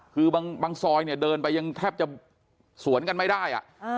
คือบางซอยเนี่ยเดินไปยังแทบจะสวนกันไม่ได้